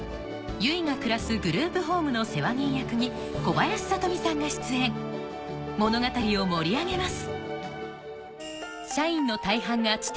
結が暮らすグループホームの世話人役に小林聡美さんが出演物語を盛り上げます